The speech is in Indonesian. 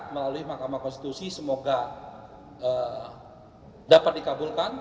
melalui mahkamah konstitusi semoga dapat dikabulkan